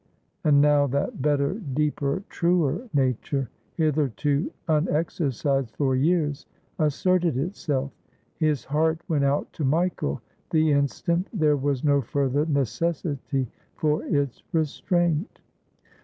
And now that better, deeper, 500 THE LITTLE JANIZARY truer nature, hitherto unexercised for years, asserted itself. His heart went out to Michael the instant there was no further necessity for its restraint.